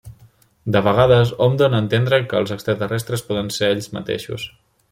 De vegades hom dóna a entendre que els extraterrestres poden ser ells mateixos.